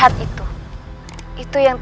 karena ayah tua dia